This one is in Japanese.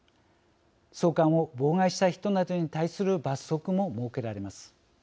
送還を妨害した人などに対する罰則も設けられます。